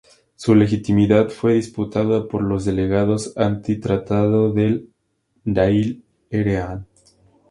Su legitimidad fue disputada por los delegados anti tratado del Dáil Éireann.